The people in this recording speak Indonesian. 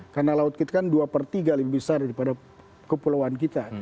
karena laut kita kan dua per tiga lebih besar daripada kepulauan kita